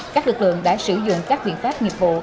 các lực lượng đã sử dụng các biện pháp nghiệp vụ